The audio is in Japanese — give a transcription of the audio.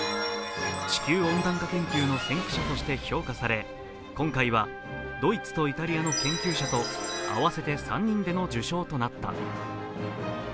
地球温暖化研究の先駆者として評価され、今回は、ドイツとイタリアの研究者と合わせて３人での受賞となった。